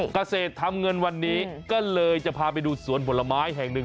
เกษตรทำเงินวันนี้ก็เลยจะพาไปดูสวนผลไม้แห่งหนึ่ง